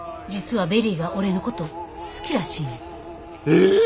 「実はベリーが俺のこと好きらしいねん」。